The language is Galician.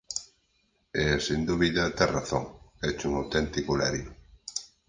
E, sen dúbida, tes razón: éche un auténtico lerio.